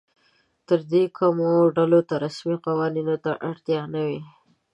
تر دې کمو ډلو ته رسمي قوانینو ته اړتیا نه وي.